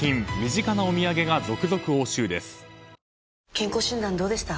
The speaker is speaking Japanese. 健康診断どうでした？